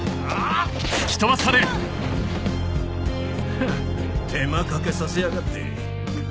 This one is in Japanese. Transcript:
フン手間かけさせやがって。